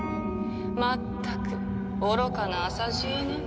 まったく愚かな浅知恵ね。